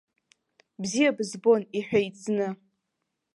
Бзиа бызбон, иҳәеит, зны.